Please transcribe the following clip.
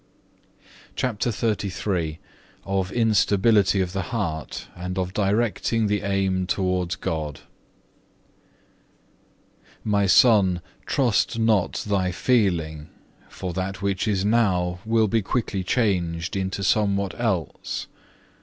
(1) Revelation iii. 18. CHAPTER XXXIII Of instability of the heart, and of directing the aim towards God "My Son, trust not thy feeling, for that which is now will be quickly changed into somewhat else.